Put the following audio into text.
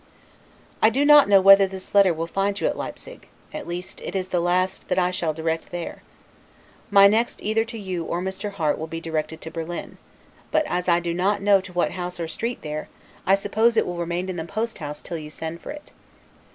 I do not know whether this letter will find you at Leipsig: at least, it is the last that I shall direct there. My next to either you or Mr. Harte will be directed to Berlin; but as I do not know to what house or street there, I suppose it will remain at the posthouse till you send for it.